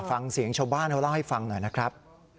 ฟังเสียงชาวบ้านเขาเล่าให้ฟังหน่อยนะครับ